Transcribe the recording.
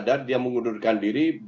sadar dia mengundurkan diri